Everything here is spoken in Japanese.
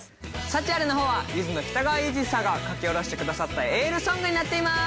『サチアレ』の方はゆずの北川悠仁さんが書き下ろしてくださったエールソングになっています！